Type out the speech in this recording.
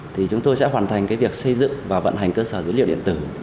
thì chúng tôi sẽ hoàn thành cái việc xây dựng và vận hành cơ sở dữ liệu điện tử